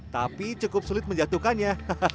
tapi cukup sulit menjatuhkannya